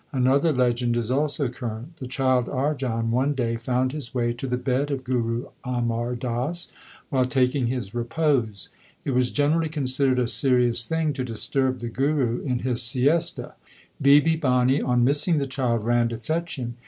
Another legend is also current. The child Arjan one day found his way to the bed of Guru Amar Das while taking his repose. It was generally considered a serious thing to disturb the Guru in his siesta. Bibi Bhani on missing the child ran to fetch him.